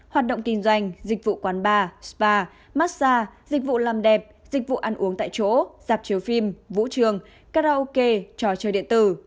hoạt động kinh doanh dịch vụ quán bar spa massage dịch vụ làm đẹp dịch vụ ăn uống tại chỗ dạp chiếu phim vũ trường karaoke trò chơi điện tử